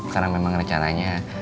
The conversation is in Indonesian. karena memang rencananya